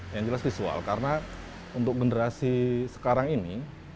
yang jelas visual karena untuk generasi sekarang ini